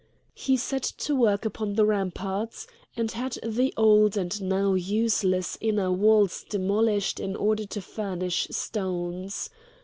He set to work upon the ramparts, and had the old and now useless inner walls demolished in order to furnish stones.